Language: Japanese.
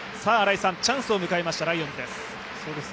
チャンスを迎えました、ライオンズです。